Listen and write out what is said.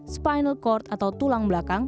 spinal court atau tulang belakang